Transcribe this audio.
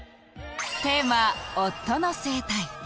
テーマ夫の生態